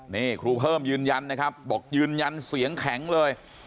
นี่ครูเพิ่มยืนยันนะครับบอกยืนยันเสียงแข็งเลย